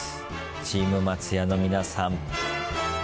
チーム松也の皆さん。